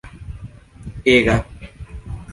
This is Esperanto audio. ega